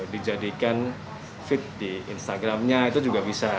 dijadikan feed di instagramnya itu juga bisa